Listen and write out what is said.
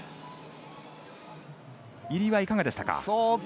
入りはいかがでしたか？